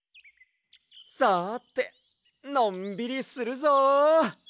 さてのんびりするぞ！